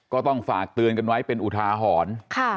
ก็ต้องฝากเตือนกันไว้เป็นอุทาหรณ์